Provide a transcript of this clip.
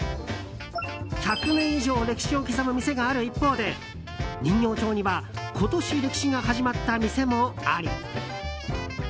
１００年以上歴史を刻む店がある一方で人形町には今年、歴史が始まった店もあり。